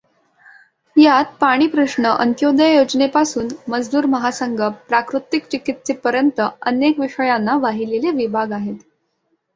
यात पाणी प्रश्न, अंत्योदय योजनेपासून, मजदूर महासंघ, प्राकृतिक चिकित्सेपर्यंत अनेक विषयांना वाहिलेले विभाग आहेत.